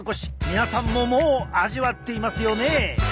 皆さんももう味わっていますよね！